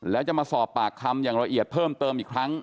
แล้วจะมาสอบปากคำอย่างละเอียดเพิ่มเติมอีกครั้ง